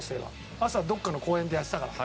朝どっかの公園でやってたから。